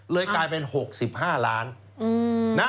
เลยกลายเป็น๖๕ล้าน